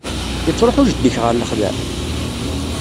Yettṛuḥu jeddi-k ɣer lexla?